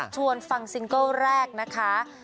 ชวนฟังซิงเกิลแรกนะคะ